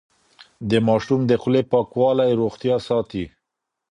د ماشوم د خولې پاکوالی روغتيا ساتي.